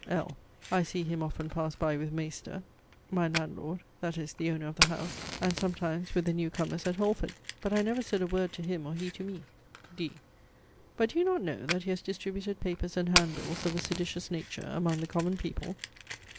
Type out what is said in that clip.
L. I see him often pass by with maister , my landlord, (that is, the owner of the house,) and sometimes with the new comers at Holford; but I never said a word to him or he to me. D. But do you not know, that he has distributed papers and hand bills of a seditious nature among the common people?